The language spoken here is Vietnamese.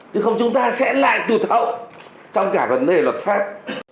chứ không chúng ta sẽ lại tụt hậu trong cả vấn đề luật pháp